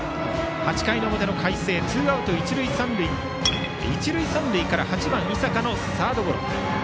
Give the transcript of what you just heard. ８回の表の海星ツーアウト、一塁三塁から８番、井坂のサードゴロ。